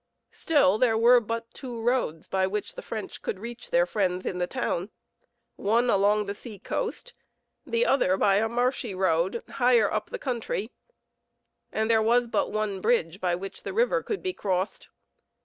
Still there were but two roads by which the French could reach their friends in the town one along the seacoast, the other by a marshy road higher up the country, and there was but one bridge by which the river could be crossed.